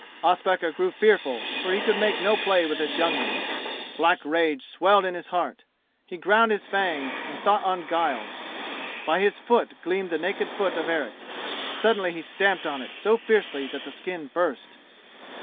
Ospakar grew fearful, for he could make no play with this youngling. Black rage swelled in his heart. He ground his fangs, and thought on guile. By his foot gleamed the naked foot of Eric. Suddenly he stamped on it so fiercely that the skin burst.